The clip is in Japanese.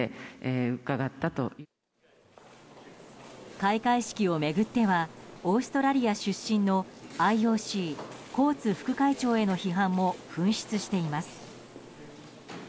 開会式を巡ってはオーストラリア出身のＩＯＣ、コーツ副会長への批判も噴出しています。